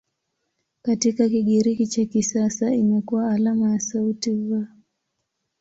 Katika Kigiriki cha kisasa imekuwa alama ya sauti "V".